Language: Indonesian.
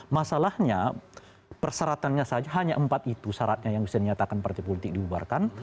masalahnya perseratannya saja hanya empat itu syaratnya yang bisa dinyatakan partai politik dibubarkan